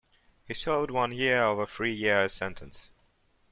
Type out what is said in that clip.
He served one year of a three-year sentence.